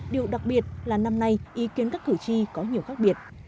điều đặc biệt là năm nay ý kiến các cử tri có nhiều khác biệt